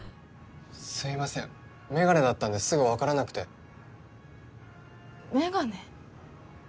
すいませんメガネだったんですぐ分からなくてメガネ？